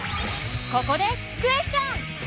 ここでクエスチョン！